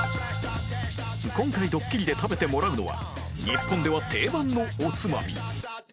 今回どっきりで食べてもらうのは日本では定番のおつまみ